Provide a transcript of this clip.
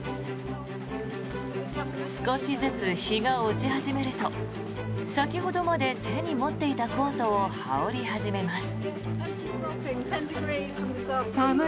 少しずつ日が落ち始めると先ほどまで手に持っていたコートを羽織り始めます。